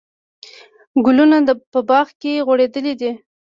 ګلونه په باغ کې غوړېدلي دي.